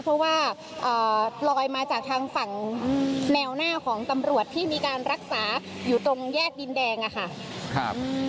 เพราะว่าลอยมาจากทางฝั่งแนวหน้าของตำรวจที่มีการรักษาอยู่ตรงแยกดินแดงอะค่ะครับ